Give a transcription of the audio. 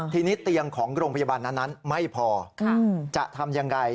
ทีนี้เตียงของโรงพยาบาลนั้นไม่พอจะทำยังไง